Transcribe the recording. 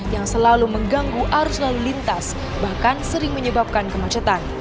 yang selalu mengganggu arus lalu lintas bahkan sering menyebabkan kemacetan